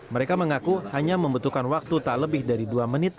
mereka mengaku hanya membutuhkan waktu tak lebih dari dua menit